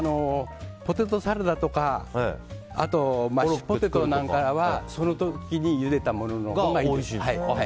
ポテトサラダとかあとマッシュポテトなんかはその時にゆでたもののほうがいいです。